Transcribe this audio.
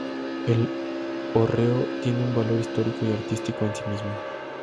El hórreo tiene un valor histórico y artístico en sí mismo.